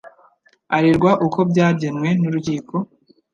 arerwa uko byagenwe n Urukiko